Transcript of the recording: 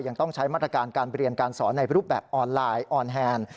ยังต้องใช้มาตรการการเรียนการสอนในรูปแบบออนไลน์ออนแฮนด์